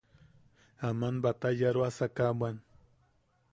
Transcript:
Am batayoaroasaka bwan.